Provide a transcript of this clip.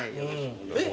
えっ！